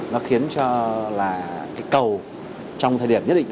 nó khiến cho cầu trong thời điểm nhất định